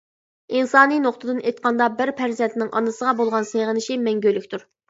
ئىنسانىي نۇقتىدىن ئېيتقاندا بىر پەرزەنتنىڭ ئانىسىغا بولغان سېغىنىشى مەڭگۈلۈكتۇر.